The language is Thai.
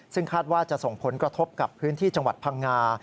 ซึ่งคาดว่าจะส่งผลกระทบกับพื้นที่จังหวัดพังงา